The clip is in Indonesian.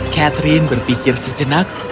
catherine berpikir sejenak